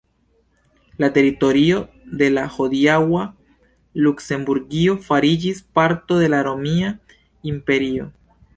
La teritorio de la hodiaŭa Luksemburgio fariĝis parto de la romia imperio.